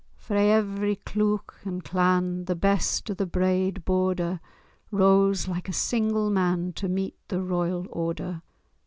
Frae every cleuch and clan The best o' the braid Border Rose like a single man To meet the royal order.